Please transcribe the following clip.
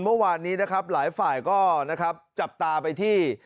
เมื่อวานนี้นะครับหลายฝ่ายก็นะครับจับตาไปที่